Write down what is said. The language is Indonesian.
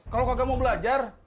kalau kagak mau belajar